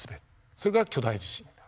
それが巨大地震になる。